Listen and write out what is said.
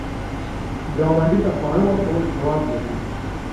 ګاونډي ته خواړه ورکول ثواب لري